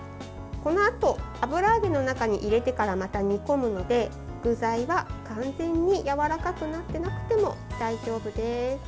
このあと油揚げの中に入れてからまた煮込むので具材は完全にやわらかくなってなくても大丈夫です。